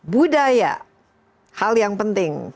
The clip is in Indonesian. budaya hal yang penting